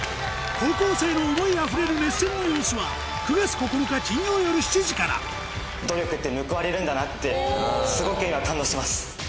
高校生の思いあふれる熱戦の様子は９月９日金曜夜７時から努力って報われるんだなってすごく今感動してます。